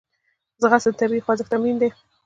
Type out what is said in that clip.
ځغاسته د طبیعي خوځښت تمرین دی